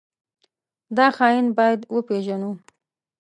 دا خاين بايد وپېژنو.